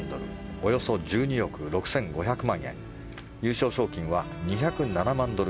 およそ１２億６５００万円優勝賞金は２０７万ドル